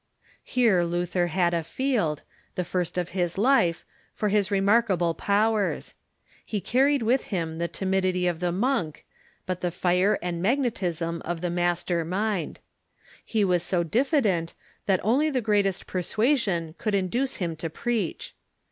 Here Luther had a field, the first in his life, for his remarkable powers. He carried with him the timidity of the monk, but the fire and magnetism of the master mind. He was so diffi dent that only the greatest persuasion could induce him to preach.